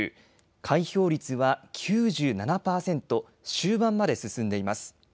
開票率は９７％、終盤まで進んでいます。